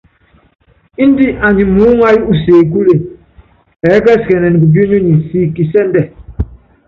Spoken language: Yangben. Índɛ anyi muúŋayú usekúle, ɛɛ́kɛsikɛnɛn kupionyonyi siki kisɛ́ndɛ.